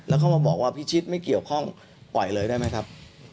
แล้วก็มาบอกว่าพิชิตไม่เกี่ยวข้องปล่อยเลยได้ไหมครับ